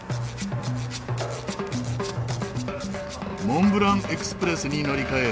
モンブラン・エクスプレスに乗り換え